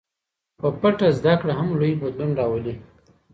په پټه زده کړه هم لوی بدلون راولي.